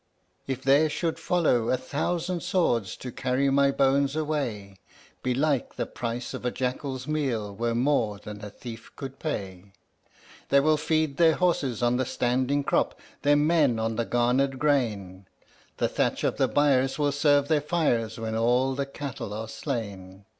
"If there should follow a thousand swords to carry my bones away, Belike the price of a jackal's meal were more than a thief could pay. "They will feed their horse on the standing crop, their men on the garnered grain, The thatch of the byres will serve their fires when all the cattle are slain.